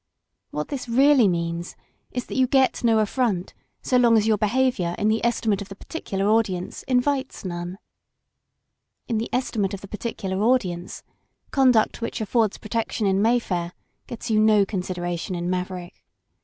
What this really means is that you get no affront so long as your behavior in the esti mate of the particular audience invites none. In the estimate of the immediate audience — conduct which affords protection in Mayfair gets you no consideration in Maverick.